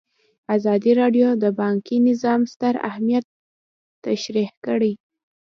ازادي راډیو د بانکي نظام ستر اهميت تشریح کړی.